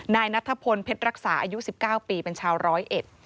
นายนัทพลเพชรรักษาอายุสิบเก้าปีเป็นชาวร้อยเอ็ด